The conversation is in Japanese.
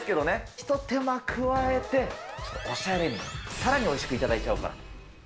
一手間加えて、ちょっとおしゃれに、さらにおいしく頂いちゃおうかな。